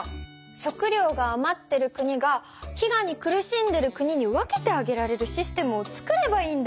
食料があまってる国が飢餓に苦しんでる国に分けてあげられるシステムを作ればいいんだ。